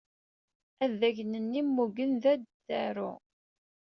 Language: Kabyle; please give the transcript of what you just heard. Addagen-nni mmugen d adarru.